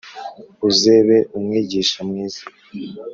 Uzebe umwigishwa mwiza